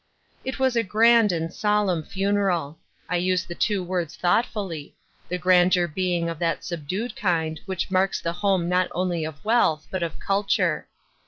It was a grand and solemn funeral. I use the two words thoughtfully ; the grandeur being of that subdued kind which marks the home not only of wealth, but of culture.